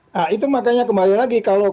nah itu makanya kembali lagi kalau